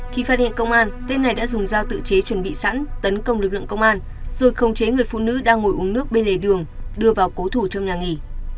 khi phát hiện công an tên này đã dùng dao tự chế chuẩn bị sẵn tấn công lực lượng công an rồi không chế người phụ nữ đang ngồi uống nước bên lề đường đưa vào cố thủ trong nhà nghỉ